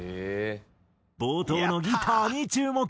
冒頭のギターに注目。